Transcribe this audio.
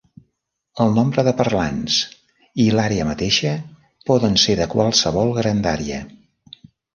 El nombre de parlants, i l'àrea mateixa, poden ser de qualsevol grandària.